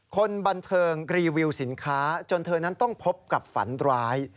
คนบันเทิงรีวิวสินค้าจนเธอนั้นต้องพบกับฝันร้าย